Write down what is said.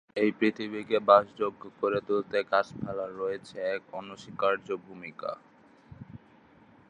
এই পৃথিবীকে বাসযোগ্য করে তুলতে গাছপালার রয়েছে এক অনস্বীকার্য ভূমিকা।